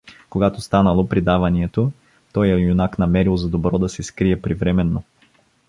Когато станало предаванието, тоя юнак намерил за добро да се скрие привременно.